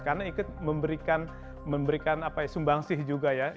karena ikut memberikan sumbangsih juga ya